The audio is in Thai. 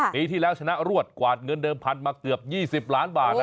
ปีที่แล้วชนะรวดกวาดเงินเดิมพันมาเกือบ๒๐ล้านบาท